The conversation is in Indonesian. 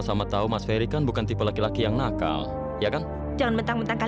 sampai jumpa di video selanjutnya